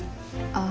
ああ。